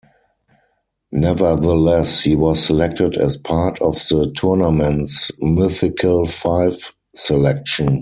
Nevertheless, he was selected as part of the tournament's mythical five selection.